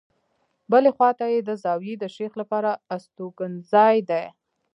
بلې خواته یې د زاویې د شیخ لپاره استوګنځای دی.